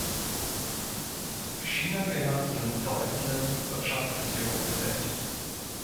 China gehört zu den bedeutenden Wirtschaftsakteuren der Welt.